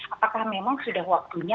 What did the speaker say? apakah memang sudah waktunya